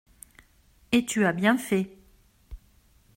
Et tu as bien fait.